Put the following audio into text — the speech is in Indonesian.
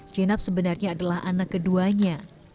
jenab sebenarnya adalah anak keduanya